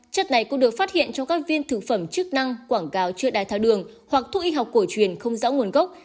chất này cũng được phát hiện trong các viên thực phẩm chức năng quảng cáo chưa đai thao đường hoặc thuốc y học cổ truyền không rõ nguồn gốc